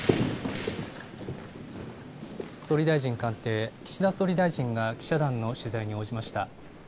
総理大臣官邸、岸田総理大臣が記者団の取材に応じました。